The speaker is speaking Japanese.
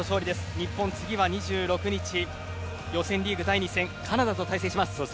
日本、次は２６日予選リーグ第２戦カナダと対戦します。